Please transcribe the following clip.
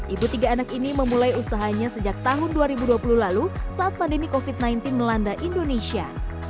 ibu tiga anak ini memulai usahanya sejak tahun dua ribu dua puluh lalu saat pandemi covid sembilan belas melanda indonesia